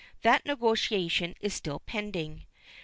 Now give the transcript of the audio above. That negotiation is still pending.